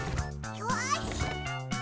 よし！